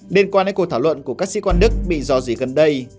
điên quan đến cuộc thảo luận của các sĩ quan đức bị do gì gần đây